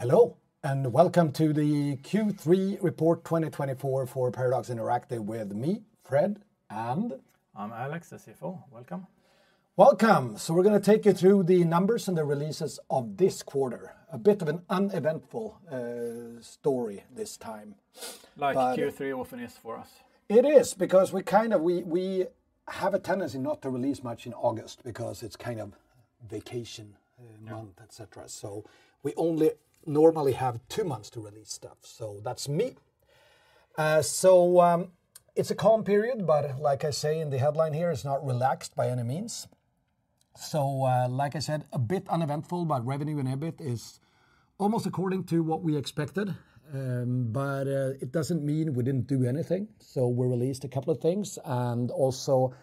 Hello, and welcome to the Q3 Report 2024 for Paradox Interactive with me, Fred, and... I'm Alex, the CFO. Welcome. Welcome. So we're going to take you through the numbers and the releases of this quarter. A bit of an uneventful story this time. Like Q3 earnings for us. It is because we kind of have a tendency not to release much in August because it's kind of vacation month, etc. So we only normally have two months to release stuff. So that's me. So it's a calm period, but like I say in the headline here, it's not relaxed by any means. So like I said, a bit uneventful, but EBIT is almost according to what we expected. But it doesn't mean we didn't do anything. So we released a couple of things and also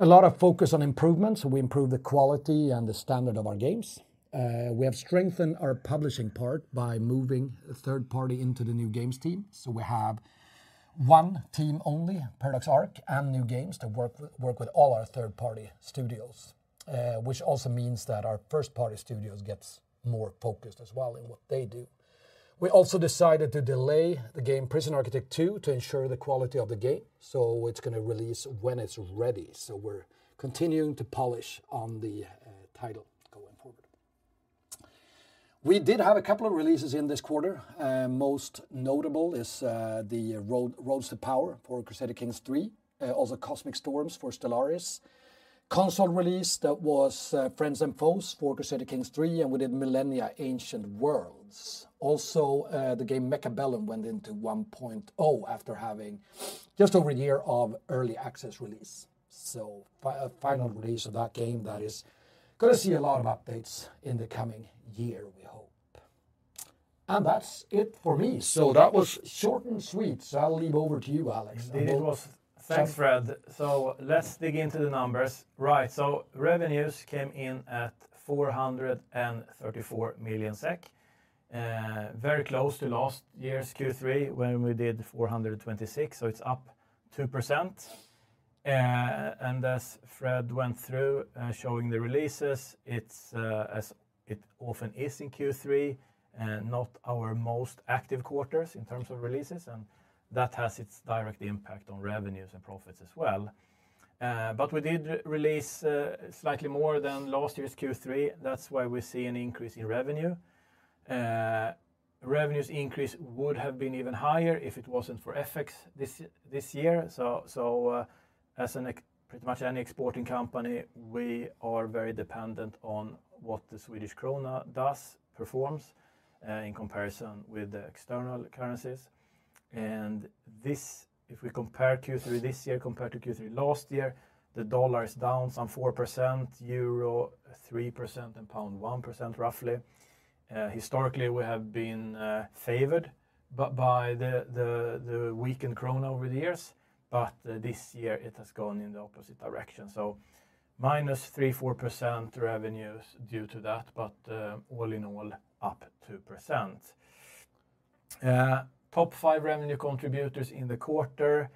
a lot of focus on improvements. We improved the quality and the standard of our games. We have strengthened our publishing part by moving third-party into the new games team. We have one team only, Paradox Arc, and new games to work with all our third party studios, which also means that our first party studios get more focused as well in what they do. We also decided to delay the game Prison Architect 2 to ensure the quality of the game. It's going to release when it's ready. We're continuing to polish on the title going forward. We did have a couple of releases in this quarter. Most notable is the Roads to Power for Crusader Kings lll, also Cosmic Storms for Stellaris. Console release that was Friends Foes for Crusader Kings III, and we did Millennia: Ancient Worlds. Also, the game Mechabellum went into 1.0 after having just over a year of early access release. So, final release of that game that is going to see a lot of updates in the coming year, we hope. And that's it for me. So that was short and sweet. So I'll leave over to you, Alex. It was, thanks Fred. So let's dig into the numbers. Right, so revenues came in at 434 million SEK. Very close to last year's Q3 when we did 426 million, so it's up 2%. And as Fred went through showing the releases, it's as it often is in Q3, not our most active quarters in terms of releases, and that has its direct impact on revenues and profits as well. But we did release slightly more than last year's Q3. That's why we see an increase in revenue. Revenues increase would have been even higher if it wasn't for FX this year. So as pretty much any exporting company, we are very dependent on what the Swedish krona does, performs in comparison with the external currencies. And this, if we compare Q3 this year compared to Q3 last year, the dollar is down some 4%, euro 3%, and pound 1% roughly. Historically, we have been favored by the weakened krona over the years, but this year it has gone in the opposite direction, so minus 3%-4% revenues due to that, but all in all up 2%. Top five revenue contributors in the quarter,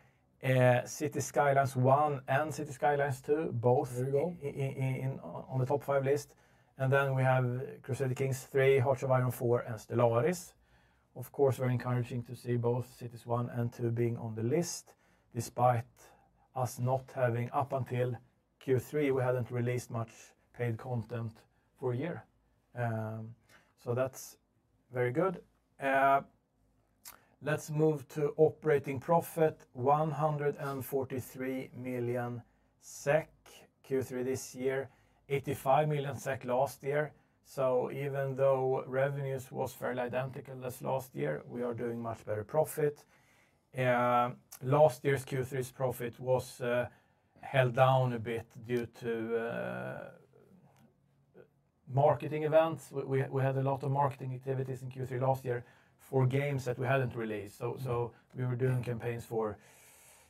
Cities: Skylines 1 and Cities: Skylines II, both on the top five list, and then we have Crusader Kings 3, Hearts of Iron 4, and Stellaris. Of course, very encouraging to see both Cities 1 and 2 being on the list, despite us not having up until Q3, we hadn't released much paid content for a year, so that's very good. Let's move to operating profit, 143 million SEK Q3 this year, 85 million SEK last year, so even though revenues was fairly identical as last year, we are doing much better profit. Last year's Q3's profit was held down a bit due to marketing events. We had a lot of marketing activities in Q3 last year for games that we hadn't released. So we were doing campaigns for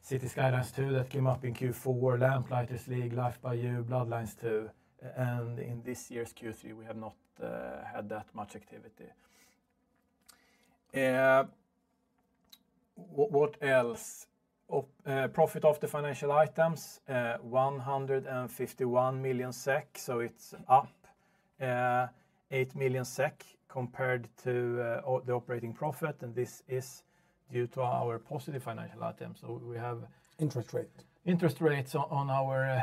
Cities: Skylines II that came up in Q4, Lamplighters League, Life by You, Bloodlines 2. And in this year's Q3, we have not had that much activity. What else? Profit of the financial items, 151 million SEK, so it's up eight million SEK compared to the operating profit. And this is due to our positive financial items. So we have. Interest rate. Interest rates on our.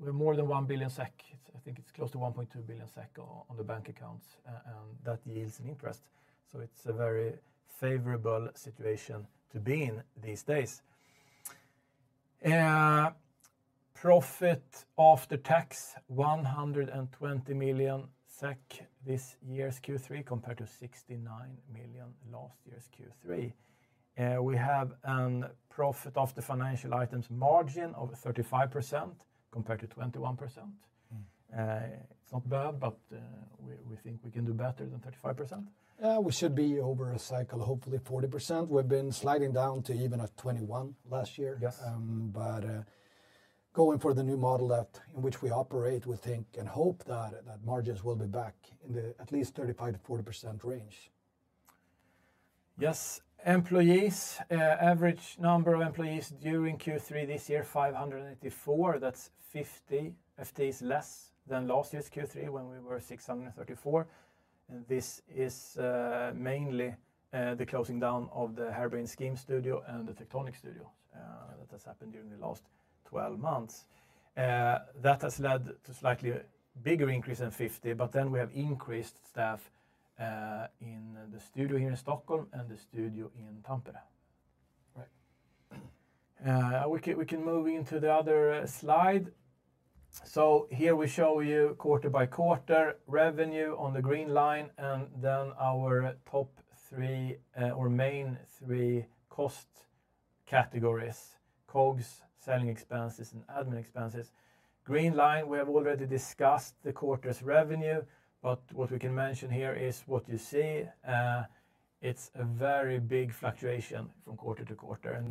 We're more than 1 billion SEK. I think it's close to 1.2 billion SEK on the bank accounts, and that yields an interest. So it's a very favorable situation to be in these days. Profit after tax: 120 million SEK this year's Q3 compared to 69 million last year's Q3. We have a profit of the financial items margin of 35% compared to 21%. It's not bad, but we think we can do better than 35%. Yeah, we should be over a cycle, hopefully 40%. We've been sliding down to even at 21% last year, but going for the new model in which we operate, we think and hope that margins will be back in the at least 35-40% range. Yes, employees, average number of employees during Q3 this year, 584. That's 50 FTEs less than last year's Q3 when we were 634. And this is mainly the closing down of the Harebrained Schemes studio and the Paradox Tectonic studio that has happened during the last 12 months. That has led to a slightly bigger increase than 50, but then we have increased staff in the studio here in Stockholm and the studio in Tampere. We can move into the other slide. So here we show you quarter by quarter revenue on the green line and then our top three or main three cost categories: COGS, selling expenses, and admin expenses. Green line, we have already discussed the quarter's revenue, but what we can mention here is what you see. It's a very big fluctuation from quarter to quarter.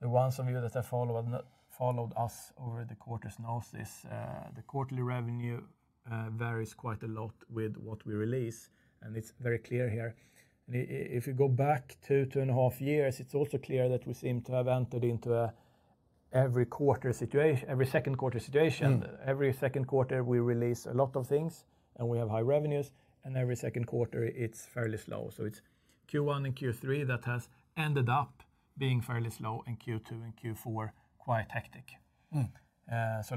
Those of you that have followed us over the quarters notice, the quarterly revenue varies quite a lot with what we release, and it's very clear here. If you go back to two and a half years, it's also clear that we seem to have entered into an every quarter situation, every second quarter situation. Every second quarter, we release a lot of things and we have high revenues, and every second quarter, it's fairly slow. So it's Q1 and Q3 that have ended up being fairly slow and Q2 and Q4 quite hectic. So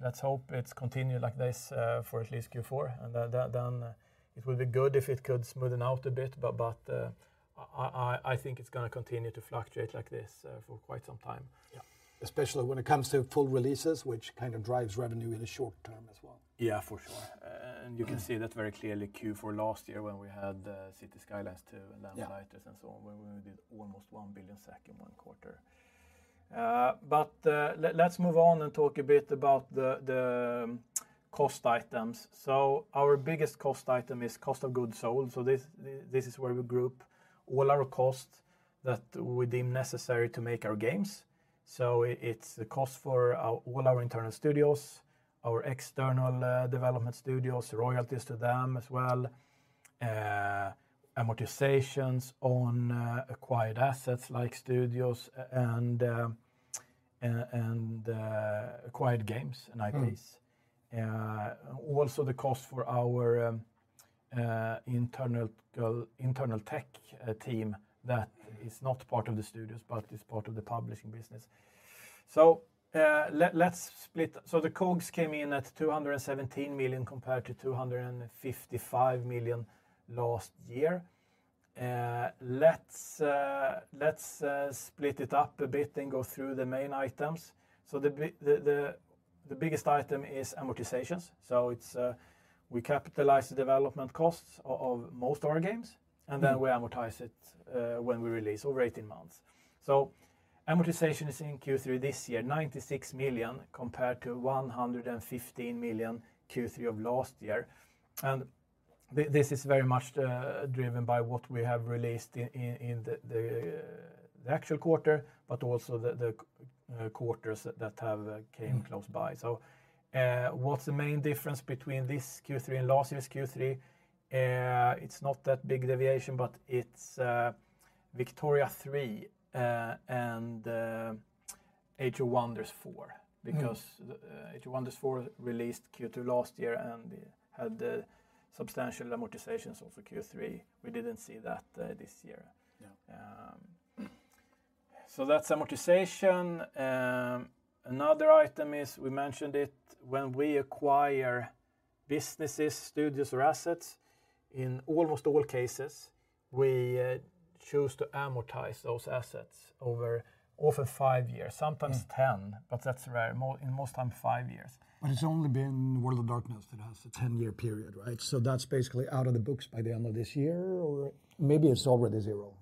let's hope it continues like this for at least Q4, and then it would be good if it could smoothen out a bit, but I think it's going to continue to fluctuate like this for quite some time. Especially when it comes to full releases, which kind of drives revenue in the short term as well. Yeah, for sure. And you can see that very clearly Q4 last year when we had Cities: Skylines II and Lamplighters and so on, when we did almost 1 billion SEK in one quarter. But let's move on and talk a bit about the cost items. So our biggest cost item is cost of goods sold. So this is where we group all our costs that we deem necessary to make our games. So it's the cost for all our internal studios, our external development studios, royalties to them as well, amortizations on acquired assets like studios and acquired games and IPs. Also the cost for our internal tech team that is not part of the studios, but is part of the publishing business. So let's split. So the COGS came in at 217 million SEK compared to 255 million SEK last year. Let's split it up a bit and go through the main items. So the biggest item is amortizations. So we capitalize the development costs of most of our games, and then we amortize it when we release over 18 months. So amortization is in Q3 this year, 96 million compared to 115 million Q3 of last year. And this is very much driven by what we have released in the actual quarter, but also the quarters that have come close by. So what's the main difference between this Q3 and last year's Q3? It's not that big deviation, but it's Victoria 3 and Age of Wonders 4, because Age of Wonders 4 released Q2 last year and had substantial amortizations also Q3. We didn't see that this year. So that's amortization. Another item is we mentioned it when we acquire businesses, studios, or assets. In almost all cases, we choose to amortize those assets over often five years, sometimes ten, but that's rare. In most times, five years. But it's only been World of Darkness that has a 10-year period, right? So that's basically out of the books by the end of this year, or maybe it's already zero.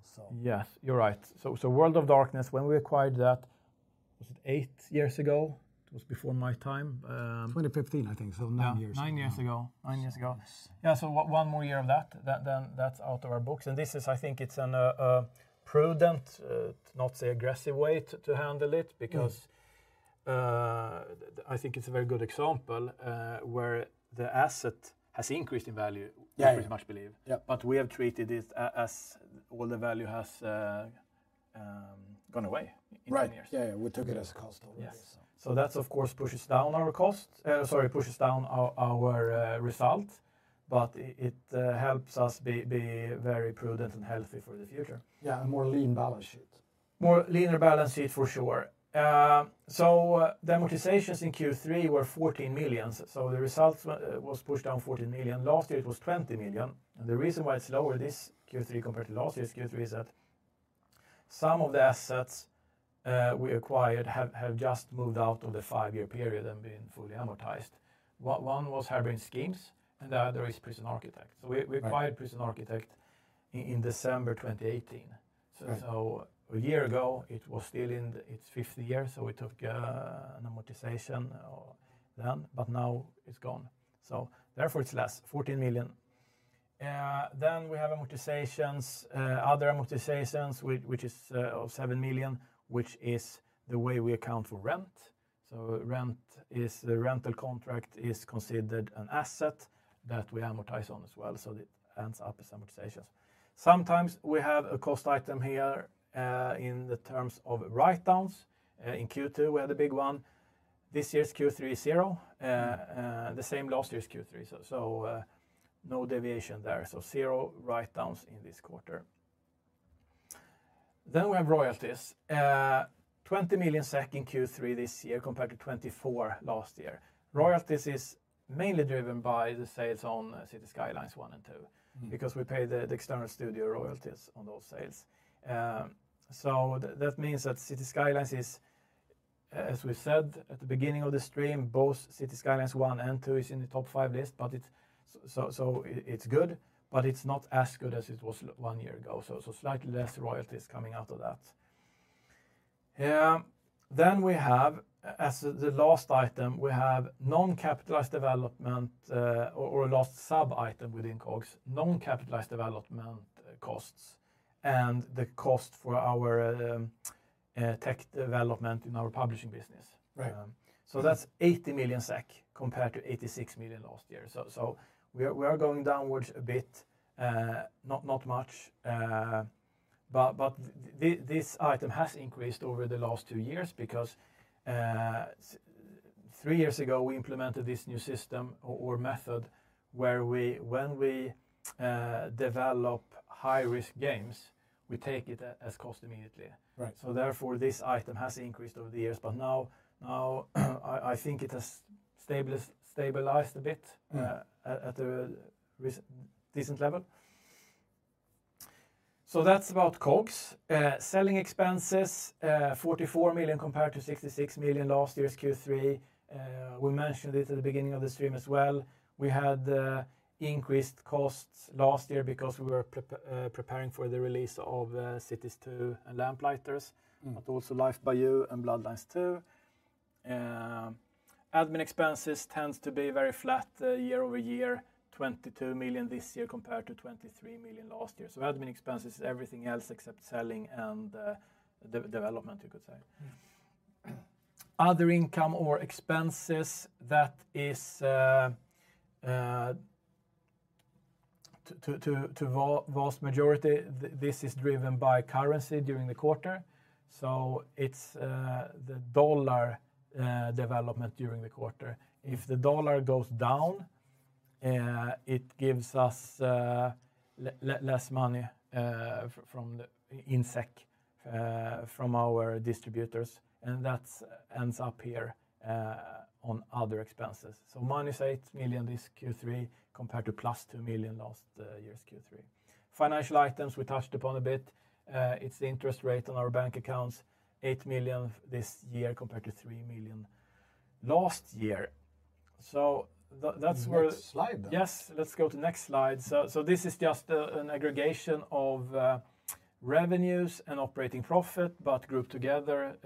Yes, you're right. So World of Darkness, when we acquired that, was it eight years ago? It was before my time. 2015, I think. So nine years. Nine years ago. Yeah, so one more year of that, then that's out of our books, and this is, I think it's a prudent, not say aggressive way to handle it, because I think it's a very good example where the asset has increased in value, we pretty much believe, but we have treated it as all the value has gone away in 10 years. Right. Yeah, yeah. We took it as cost already. So that's, of course, pushes down our cost, sorry, pushes down our result, but it helps us be very prudent and healthy for the future. Yeah, a more lean balance sheet. More leaner balance sheet for sure. So the amortizations in Q3 were 14 million. So the result was pushed down 14 million. Last year, it was 20 million. And the reason why it's lower this Q3 compared to last year's Q3 is that some of the assets we acquired have just moved out of the five-year period and been fully amortized. One was Harebrained Schemes, and the other is Prison Architect. So we acquired Prison Architect in December 2018. So a year ago, it was still in its fifth year, so we took an amortization then, but now it's gone. So therefore, it's less, 14 million. Then we have amortizations, other amortizations, which is 7 million, which is the way we account for rent. So rent, the rental contract, is considered an asset that we amortize on as well. So it ends up as amortizations. Sometimes we have a cost item here in the terms of write-downs. In Q2, we had a big one. This year's Q3 is zero. The same last year's Q3. So no deviation there. So zero write-downs in this quarter. Then we have royalties. 20 million SEK in Q3 this year compared to 24 last year. Royalties is mainly driven by the sales on Cities: Skylines 1 and 2, because we pay the external studio royalties on those sales. So that means that Cities: Skylines is, as we said at the beginning of the stream, both Cities: Skylines 1 and 2 is in the top five list, but it's good, but it's not as good as it was one year ago. So slightly less royalties coming out of that. Then we have, as the last item, we have non-capitalized development or last sub-item within COGS, non-capitalized development costs and the cost for our tech development in our publishing business. So that's 80 million SEK compared to 86 million last year. So we are going downwards a bit, not much, but this item has increased over the last two years, because three years ago, we implemented this new system or method where when we develop high-risk games, we take it as cost immediately. So therefore, this item has increased over the years, but now I think it has stabilized a bit at a decent level. So that's about COGS. Selling expenses, 44 million compared to 66 million last year's Q3. We mentioned it at the beginning of the stream as well. We had increased costs last year because we were preparing for the release of Cities 2 and Lamplighters, but also Life by You and Bloodlines 2. Admin expenses tend to be very flat year over year, 22 million this year compared to 23 million last year. So admin expenses is everything else except selling and development, you could say. Other income or expenses, that is the vast majority, this is driven by currency during the quarter. So it's the dollar development during the quarter. If the dollar goes down, it gives us less money in SEK from our distributors, and that ends up here on other expenses. So minus 8 million this Q3 compared to plus 2 million last year's Q3. Financial items we touched upon a bit. It's the interest rate on our bank accounts, 8 million this year compared to 3 million last year. So that's where. Next slide. Yes, let's go to the next slide. So this is just an aggregation of revenues and operating profit, but grouped together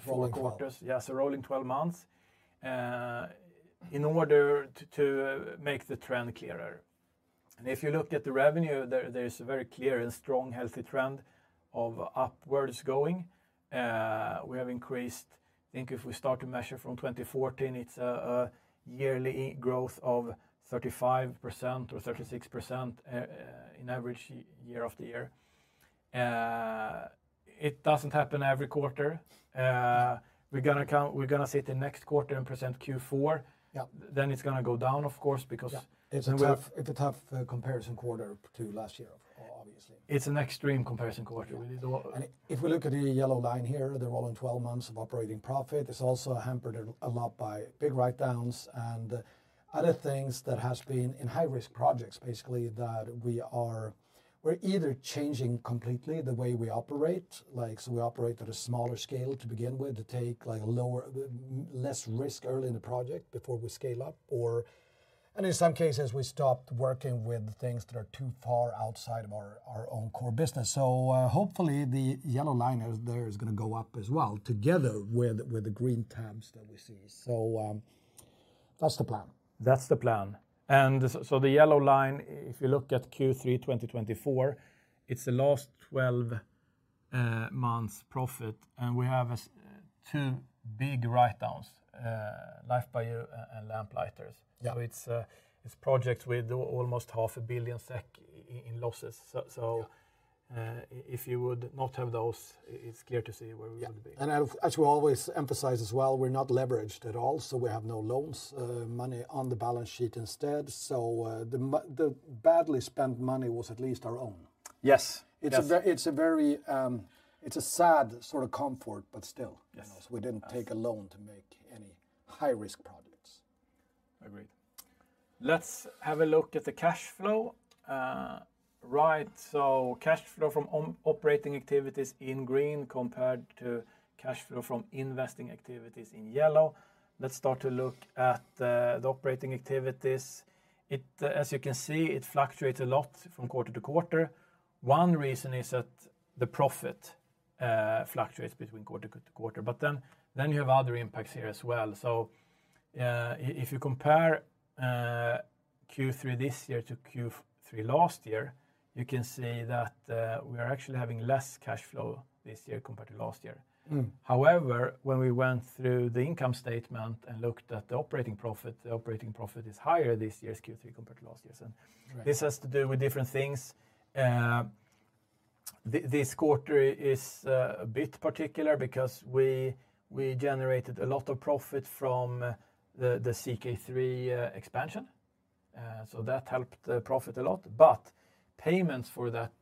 for the quarters. Rolling. Yeah, so rolling 12 months in order to make the trend clearer. And if you look at the revenue, there is a very clear and strong, healthy trend of upwards going. We have increased, I think if we start to measure from 2014, it's a yearly growth of 35% or 36% in average year after year. It doesn't happen every quarter. We're going to sit in next quarter and present Q4. Then it's going to go down, of course, because. It's a tough comparison quarter to last year, obviously. It's an extreme comparison quarter. If we look at the yellow line here, the rolling 12 months of operating profit, it's also hampered a lot by big write-downs and other things that have been in high-risk projects, basically, that we are either changing completely the way we operate, like so we operate at a smaller scale to begin with to take less risk early in the project before we scale up, or in some cases, we stopped working with things that are too far outside of our own core business, so hopefully, the yellow line there is going to go up as well together with the green tabs that we see, so that's the plan. That's the plan. And so the yellow line, if you look at Q3 2024, it's the last 12 months profit, and we have two big write-downs, Life by You and Lamplighters. So it's projects with almost 500 million SEK in losses. So if you would not have those, it's clear to see where we would be. As we always emphasize as well, we're not leveraged at all, so we have no loans, money on the balance sheet instead. The badly spent money was at least our own. Yes. It's a sad sort of comfort, but still, we didn't take a loan to make any high-risk projects. Agreed. Let's have a look at the cash flow. Right, so cash flow from operating activities in green compared to cash flow from investing activities in yellow. Let's start to look at the operating activities. As you can see, it fluctuates a lot from quarter to quarter. One reason is that the profit fluctuates between quarter to quarter, but then you have other impacts here as well. So if you compare Q3 this year to Q3 last year, you can see that we are actually having less cash flow this year compared to last year. However, when we went through the income statement and looked at the operating profit, the operating profit is higher this year's Q3 compared to last year's. And this has to do with different things. This quarter is a bit particular because we generated a lot of profit from the CK3 expansion. So that helped profit a lot. But payments for that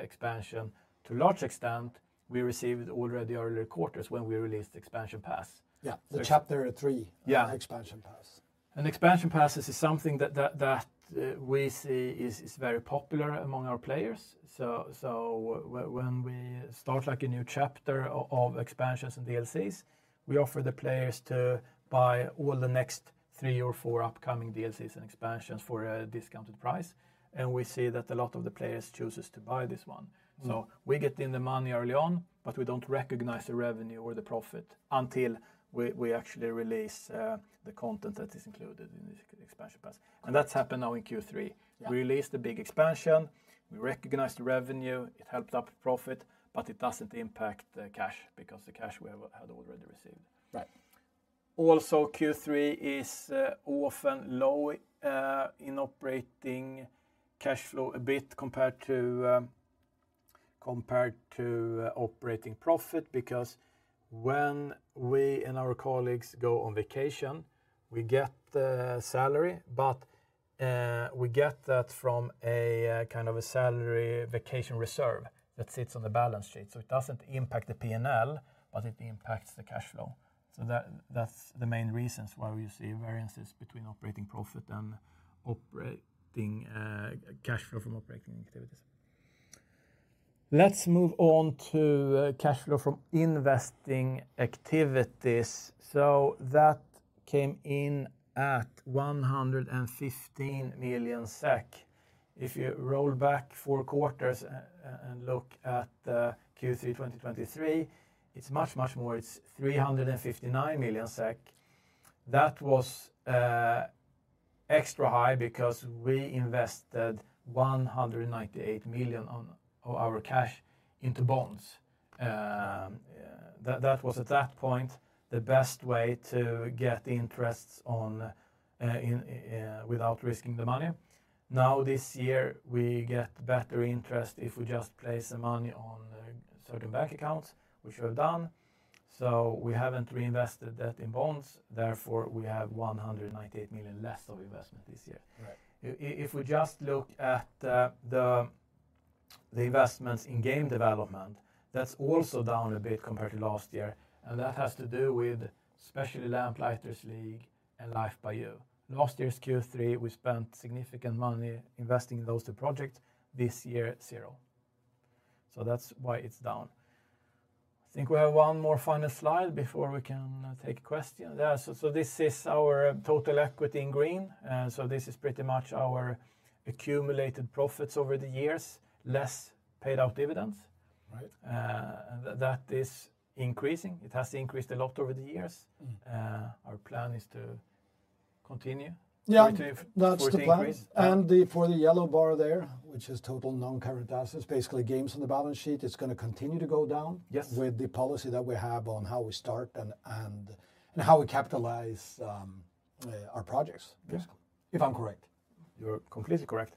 expansion, to a large extent, we received already earlier quarters when we released Expansion Pass. Yeah, the Chapter 3 Expansion Pass. Expansion Pass is something that we see is very popular among our players. When we start a new chapter of expansions and DLCs, we offer the players to buy all the next three or four upcoming DLCs and expansions for a discounted price. We see that a lot of the players choose to buy this one. We get the money in early on, but we don't recognize the revenue or the profit until we actually release the content that is included in this Expansion Pass. That's happened now in Q3. We released the big expansion. We recognized the revenue. It helped our profit, but it doesn't impact cash because the cash we had already received. Right. Also, Q3 is often low in operating cash flow a bit compared to operating profit, because when we and our colleagues go on vacation, we get salary, but we get that from a kind of a salary vacation reserve that sits on the balance sheet. So it doesn't impact the P&L, but it impacts the cash flow. So that's the main reasons why we see variances between operating profit and operating cash flow from operating activities. Let's move on to cash flow from investing activities. So that came in at 115 million SEK. If you roll back four quarters and look at Q3 2023, it's much, much more. It's 359 million SEK. That was extra high because we invested 198 million of our cash into bonds. That was, at that point, the best way to get interest without risking the money. Now, this year, we get better interest if we just place the money on certain bank accounts, which we have done. So we haven't reinvested that in bonds. Therefore, we have 198 million less of investment this year. If we just look at the investments in game development, that's also down a bit compared to last year. And that has to do with especially Lamplighters League and Life by You. Last year's Q3, we spent significant money investing in those two projects. This year, zero. So that's why it's down. I think we have one more final slide before we can take a question. Yeah, so this is our total equity in green. So this is pretty much our accumulated profits over the years, less paid-out dividends. That is increasing. It has increased a lot over the years. Our plan is to continue. Yeah, that's the plan. And for the yellow bar there, which is total non-current assets, basically games on the balance sheet, it's going to continue to go down with the policy that we have on how we start and how we capitalize our projects, if I'm correct. You're completely correct.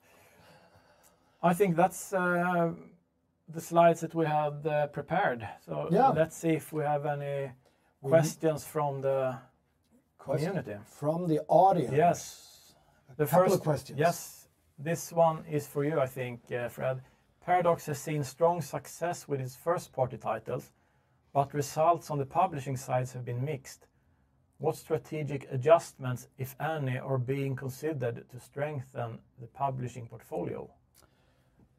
I think that's the slides that we had prepared. So let's see if we have any questions from the community. From the audience. Yes. The first couple of questions. Yes, this one is for you, I think, Fred. Paradox has seen strong success with its first-party titles, but results on the publishing sides have been mixed. What strategic adjustments, if any, are being considered to strengthen the publishing portfolio?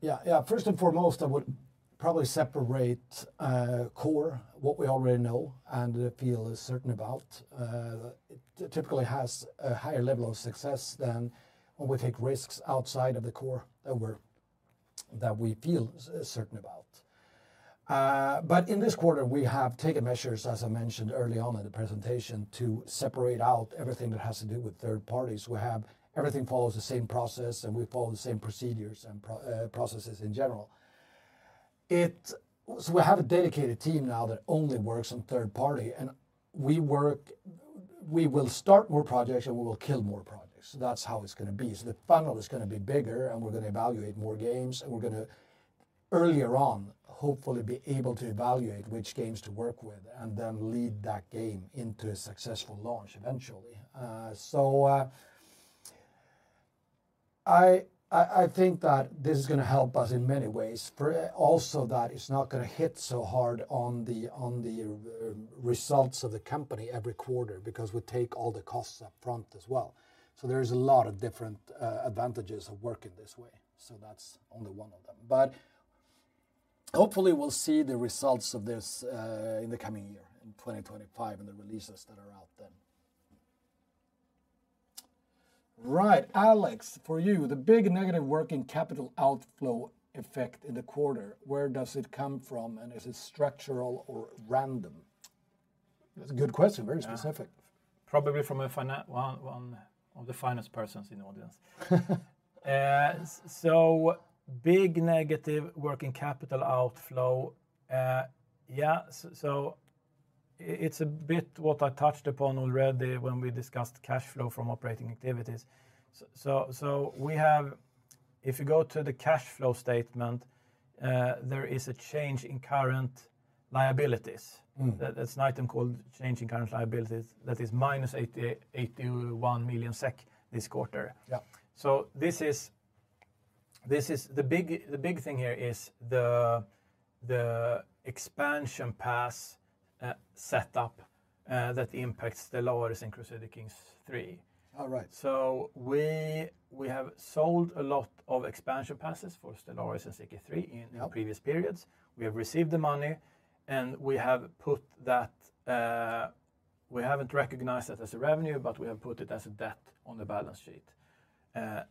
Yeah, yeah, first and foremost, I would probably separate core, what we already know and feel certain about. It typically has a higher level of success than when we take risks outside of the core that we feel certain about. But in this quarter, we have taken measures, as I mentioned early on in the presentation, to separate out everything that has to do with third parties. We have everything follows the same process, and we follow the same procedures and processes in general. So we have a dedicated team now that only works on third party. And we will start more projects, and we will kill more projects. That's how it's going to be. So the funnel is going to be bigger, and we're going to evaluate more games. We're going to, earlier on, hopefully be able to evaluate which games to work with and then lead that game into a successful launch eventually. So I think that this is going to help us in many ways, also that it's not going to hit so hard on the results of the company every quarter because we take all the costs upfront as well. So there's a lot of different advantages of working this way. So that's only one of them. But hopefully, we'll see the results of this in the coming year, in 2025, and the releases that are out then. Right, Alex, for you, the big negative working capital outflow effect in the quarter, where does it come from, and is it structural or random? That's a good question, very specific. Probably from one of the finest persons in the audience. Big negative working capital outflow, yeah. It's a bit what I touched upon already when we discussed cash flow from operating activities. We have, if you go to the cash flow statement, there is a change in current liabilities. That's an item called change in current liabilities that is minus 81 million SEK this quarter. This is the big thing here is the expansion pass setup that impacts Stellaris and Crusader Kings 3. All right. So we have sold a lot of expansion passes for Stellaris and CK3 in previous periods. We have received the money, and we have put that we haven't recognized that as a revenue, but we have put it as a debt on the balance sheet.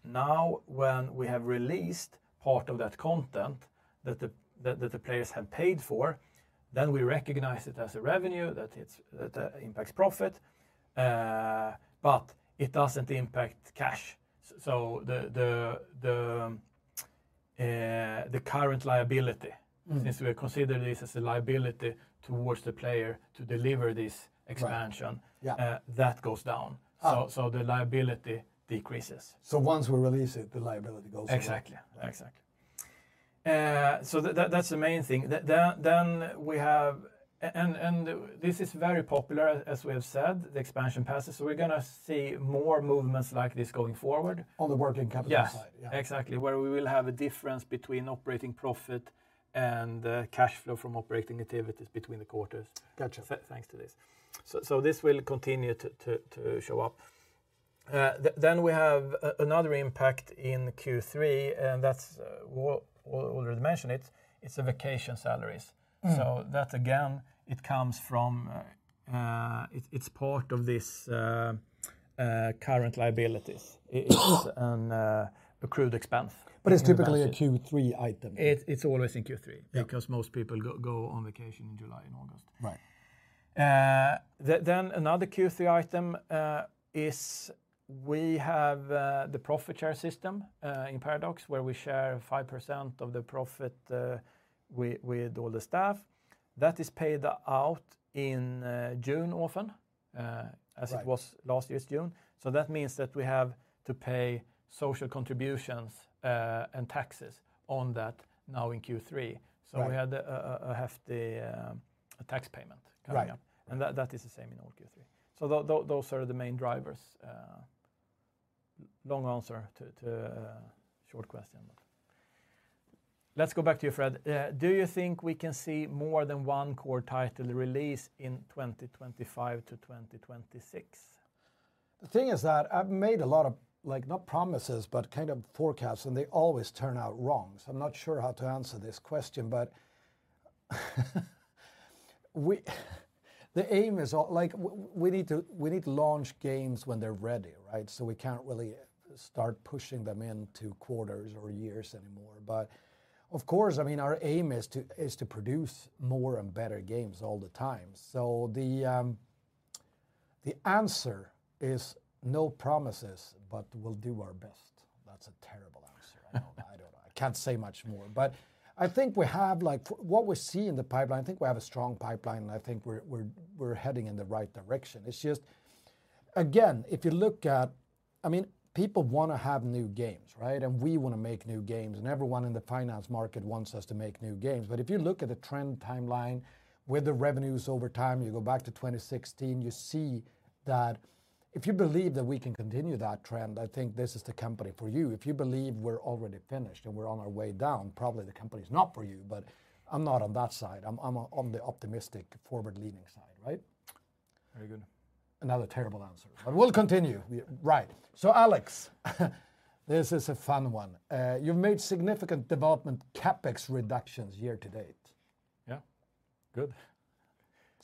Now, when we have released part of that content that the players have paid for, then we recognize it as a revenue that impacts profit, but it doesn't impact cash, the current liability. Since we consider this as a liability towards the player to deliver this expansion, that goes down. So the liability decreases. So once we release it, the liability goes down. Exactly, exactly. So that's the main thing. Then we have, and this is very popular, as we have said, the expansion passes. So we're going to see more movements like this going forward. On the working capital side. Yeah, exactly, where we will have a difference between operating profit and cash flow from operating activities between the quarters, thanks to this. So this will continue to show up. Then we have another impact in Q3, and that's, we already mentioned it, it's the vacation salaries. So that, again, it comes from, it's part of these current liabilities. It's an accrued expense. But it's typically a Q3 item. It's always in Q3 because most people go on vacation in July and August. Right. Then another Q3 item is we have the profit share system in Paradox, where we share 5% of the profit with all the staff. That is paid out in June, often, as it was last year's June. So that means that we have to pay social contributions and taxes on that now in Q3. So we had a hefty tax payment coming up. And that is the same in all Q3. So those are the main drivers. Long answer to short question. Let's go back to you, Fred. Do you think we can see more than one core title release in 2025 to 2026? The thing is that I've made a lot of, not promises, but kind of forecasts, and they always turn out wrong. So I'm not sure how to answer this question, but the aim is, we need to launch games when they're ready, right? So we can't really start pushing them into quarters or years anymore. But of course, I mean, our aim is to produce more and better games all the time. So the answer is no promises, but we'll do our best. That's a terrible answer. I don't know. I can't say much more. But I think we have, what we see in the pipeline, I think we have a strong pipeline, and I think we're heading in the right direction. It's just, again, if you look at, I mean, people want to have new games, right? And we want to make new games. Everyone in the finance market wants us to make new games. If you look at the trend timeline with the revenues over time, you go back to 2016, you see that if you believe that we can continue that trend, I think this is the company for you. If you believe we're already finished and we're on our way down, probably the company is not for you. I'm not on that side. I'm on the optimistic forward-leaning side, right? Very good. Another terrible answer. But we'll continue. Right. So Alex, this is a fun one. You've made significant development CapEx reductions year to date. Yeah, good.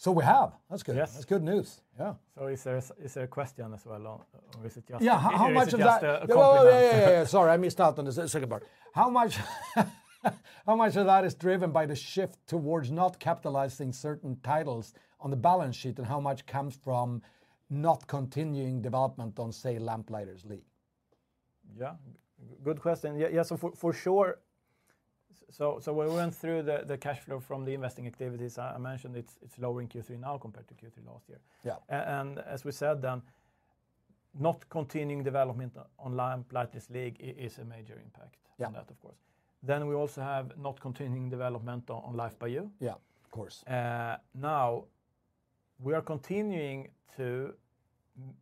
So we have. That's good. That's good news. Yeah. So is there a question as well? Or is it just a question? Yeah, how much of that? Sorry, I missed out on the second part. How much of that is driven by the shift towards not capitalizing certain titles on the balance sheet? And how much comes from not continuing development on, say, The Lamplighters League? Yeah, good question. Yeah, so for sure. So when we went through the cash flow from the investing activities, I mentioned it's lower in Q3 now compared to Q3 last year. And as we said, then not continuing development on Lamplighters League is a major impact on that, of course. Then we also have not continuing development on Life by You. Yeah, of course. Now, we are continuing to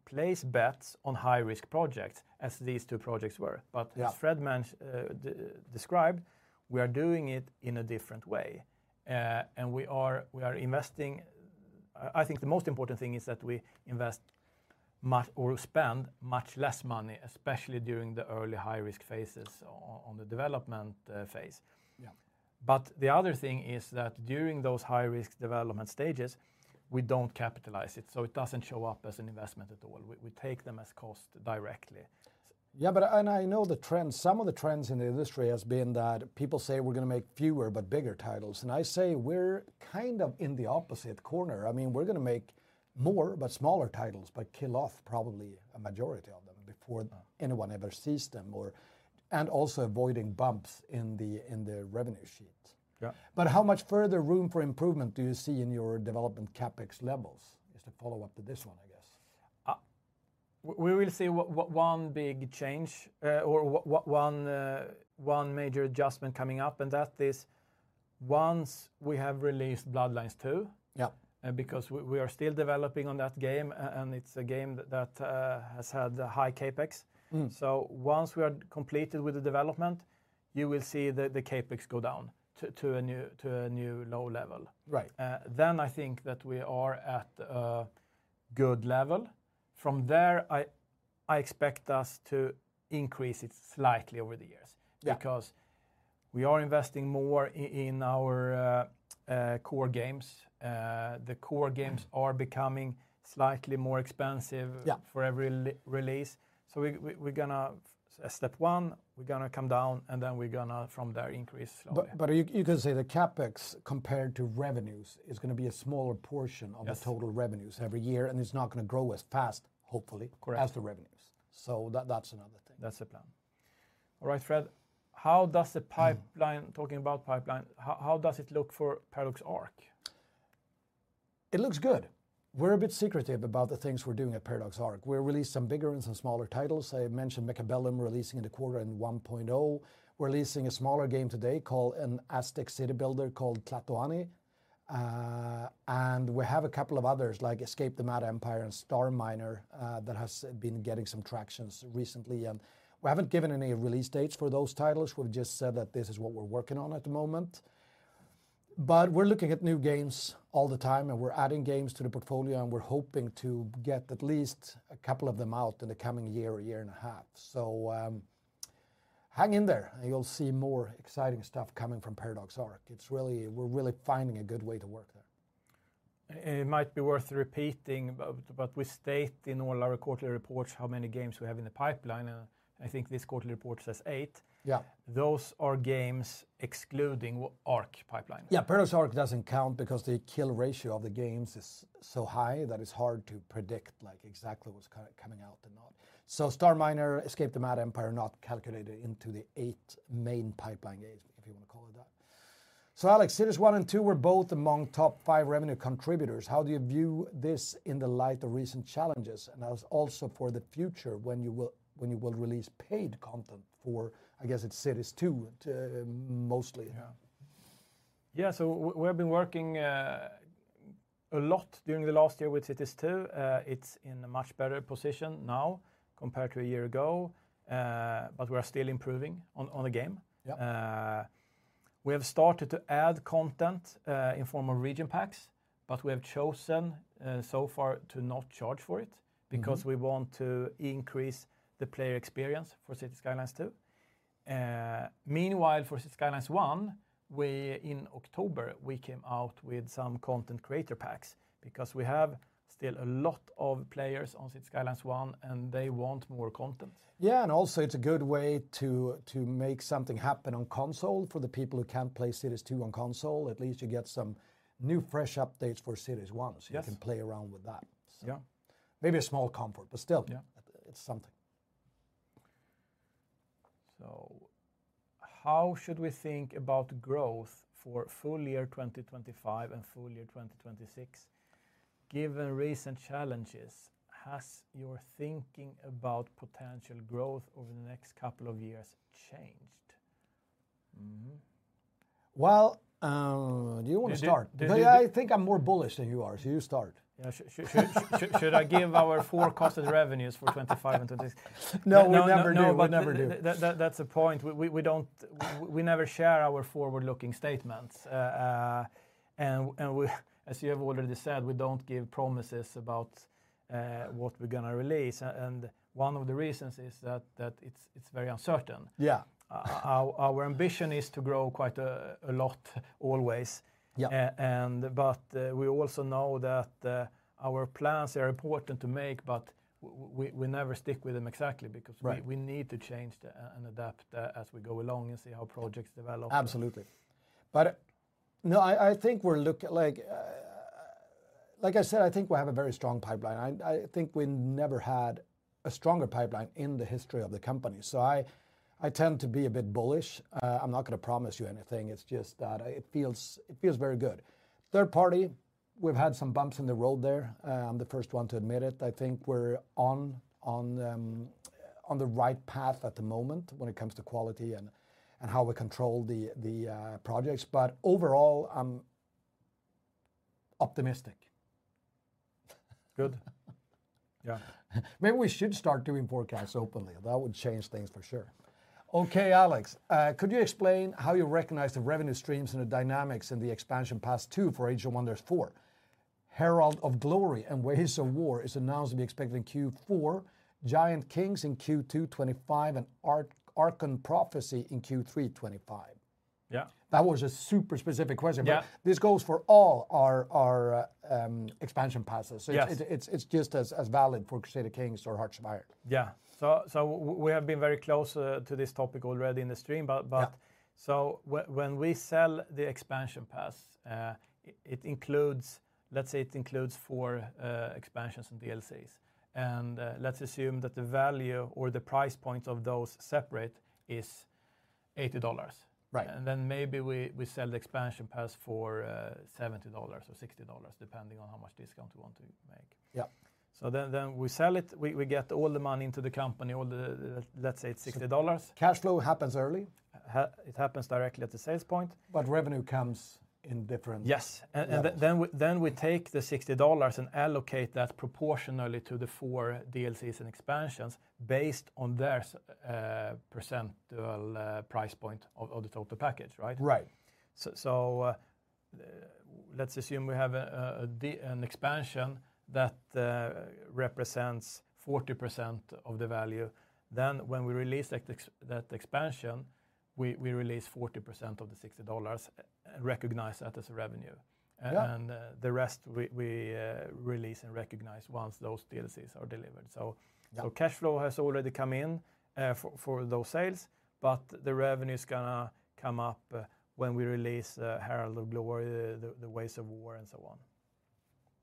place bets on high-risk projects, as these two projects were. But as Fred described, we are doing it in a different way, and we are investing. I think the most important thing is that we invest much or spend much less money, especially during the early high-risk phases on the development phase, but the other thing is that during those high-risk development stages, we don't capitalize it. So it doesn't show up as an investment at all. We take them as cost directly. Yeah. And I know the trend. Some of the trends in the industry has been that people say we're going to make fewer but bigger titles. And I say we're kind of in the opposite corner. I mean, we're going to make more but smaller titles, but kill off probably a majority of them before anyone ever sees them, and also avoiding bumps in the revenue sheet. But how much further room for improvement do you see in your development CapEx levels? Just a follow-up to this one, I guess. We will see one big change or one major adjustment coming up, and that is once we have released Bloodlines 2, because we are still developing on that game, and it's a game that has had high CapEx, so once we are completed with the development, you will see the CapEx go down to a new low level, then I think that we are at a good level. From there, I expect us to increase it slightly over the years because we are investing more in our core games. The core games are becoming slightly more expensive for every release, so we're going to, step one, we're going to come down, and then we're going to, from there, increase slowly. You can say the CapEx compared to revenues is going to be a smaller portion of the total revenues every year, and it's not going to grow as fast, hopefully, as the revenues. That's another thing. That's the plan. All right, Fred. How does the pipeline, talking about pipeline, how does it look for Paradox Arc? It looks good. We're a bit secretive about the things we're doing at Paradox Arc. We've released some bigger and some smaller titles. I mentioned Mechabellum releasing in the quarter in 1.0. We're releasing a smaller game today called an Aztec city builder called Tlatoani, and we have a couple of others, like Escape the Mad Empire and Starminer, that have been getting some traction recently, and we haven't given any release dates for those titles. We've just said that this is what we're working on at the moment, but we're looking at new games all the time, and we're adding games to the portfolio, and we're hoping to get at least a couple of them out in the coming year or year and a half, so hang in there, and you'll see more exciting stuff coming from Paradox Arc. We're really finding a good way to work there. It might be worth repeating, but we state in all our quarterly reports how many games we have in the pipeline. And I think this quarterly report says eight. Those are games excluding Arc pipeline. Yeah, Paradox Arc doesn't count because the kill ratio of the games is so high that it's hard to predict exactly what's coming out and not. So Starminer, Escape the Mad Empire are not calculated into the eight main pipeline games, if you want to call it that. So Alex, Cities 1 and 2 were both among top five revenue contributors. How do you view this in the light of recent challenges? And that's also for the future when you will release paid content for, I guess, it's Cities 2 mostly. Yeah, so we have been working a lot during the last year with Cities 2. It's in a much better position now compared to a year ago, but we are still improving on the game. We have started to add content in form of region packs, but we have chosen so far to not charge for it because we want to increase the player experience for Cities: Skylines 2. Meanwhile, for Cities: Skylines 1, in October, we came out with some content creator packs because we have still a lot of players on Cities: Skylines 1, and they want more content. Yeah, and also it's a good way to make something happen on console for the people who can't play Cities 2 on console. At least you get some new fresh updates for Cities 1, so you can play around with that. Maybe a small comfort, but still, it's something. So how should we think about growth for full year 2025 and full year 2026? Given recent challenges, has your thinking about potential growth over the next couple of years changed? Do you want to start? Please. I think I'm more bullish than you are, so you start. Should I give our forecasted revenues for 2025 and 2026? No, we never do. No, we never do. That's the point. We never share our forward-looking statements. And as you have already said, we don't give promises about what we're going to release. And one of the reasons is that it's very uncertain. Our ambition is to grow quite a lot always. But we also know that our plans are important to make, but we never stick with them exactly because we need to change and adapt as we go along and see how projects develop. Absolutely. But no, I think we're looking, like I said, I think we have a very strong pipeline. I think we never had a stronger pipeline in the history of the company. So I tend to be a bit bullish. I'm not going to promise you anything. It's just that it feels very good. Third-party, we've had some bumps in the road there. I'm the first one to admit it. I think we're on the right path at the moment when it comes to quality and how we control the projects. But overall, I'm optimistic. Good. Yeah, maybe we should start doing forecasts openly. That would change things for sure. Okay, Alex, could you explain how you recognize the revenue streams and the dynamics in the expansion pass two for Age of Wonders 4? Herald of Glory and Ways of War is announced to be expected in Q4. Giant Kings in Q2 2025, and Archon Prophecy in Q3 2025. Yeah. That was a super specific question, but this goes for all our expansion passes. So it's just as valid for Crusader Kings or Hearts of Iron. Yeah. So we have been very close to this topic already in the stream. But so when we sell the expansion pass, let's say it includes four expansions and DLCs. And let's assume that the value or the price point of those separate is $80. And then maybe we sell the expansion pass for $70 or $60, depending on how much discount we want to make. So then we sell it. We get all the money into the company, let's say it's $60. Cash flow happens early? It happens directly at the sales point. But revenue comes in different. Yes, and then we take the $60 and allocate that proportionally to the four DLCs and expansions based on their percentage price point of the total package, right? Right. So let's assume we have an expansion that represents 40% of the value. Then when we release that expansion, we release 40% of the $60, recognize that as a revenue. And the rest we release and recognize once those DLCs are delivered. So cash flow has already come in for those sales, but the revenue is going to come up when we release Herald of Glory, the Ways of War, and so on.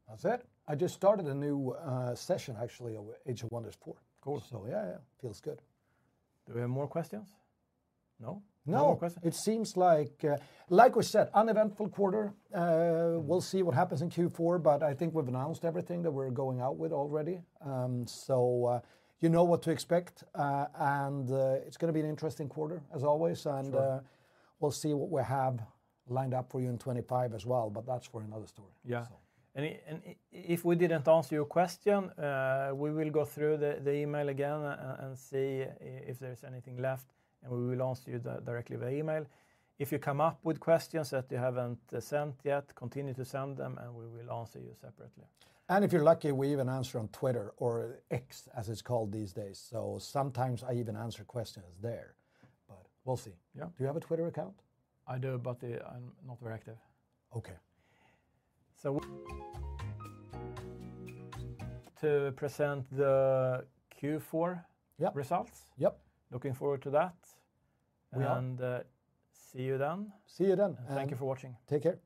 That's it. I just started a new session, actually, Age of Wonders 4. Cool. So yeah, yeah, feels good. Do we have more questions? No. No more questions? It seems like, like we said, uneventful quarter. We'll see what happens in Q4, but I think we've announced everything that we're going out with already. So you know what to expect. And it's going to be an interesting quarter, as always. And we'll see what we have lined up for you in 25 as well, but that's for another story. Yeah. And if we didn't answer your question, we will go through the email again and see if there's anything left. And we will answer you directly via email. If you come up with questions that you haven't sent yet, continue to send them, and we will answer you separately. If you're lucky, we even answer on Twitter or X, as it's called these days. Sometimes I even answer questions there. We'll see. Do you have a Twitter account? I do, but I'm not very active. Okay. So. To present the Q4 results. Yep. Looking forward to that. And see you then. See you then. Thank you for watching. Take care.